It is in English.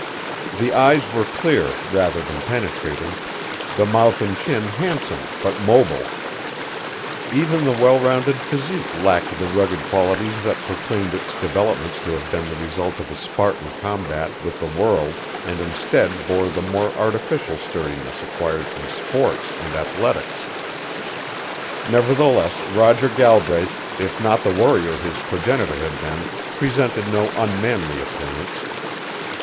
The eyes were clear rather than penetrating, the mouth and chin handsome but mobile; even the well rounded physique lacked the rugged qualities that proclaimed its development to have been the result of a Spartan combat with the world and instead bore the more artificial sturdiness acquired from sports and athletics. Nevertheless Roger Galbraith, if not the warrior his progenitor had been, presented no unmanly appearance.